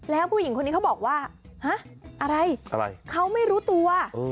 แล้วผู้หญิงคนนี้เขาบอกว่าฮะอะไรเขาไม่รู้ตัว